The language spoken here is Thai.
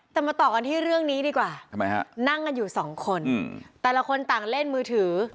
แต่มาต่อกันที่เรื่องนี้ดีกว่าทำไมฮะนั่งกันอยู่สองคนแต่ละคนต่างเล่นมือถือ